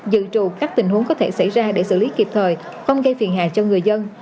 dự trù các tình huống có thể xảy ra để xử lý kịp thời không gây phiền hạ cho người dân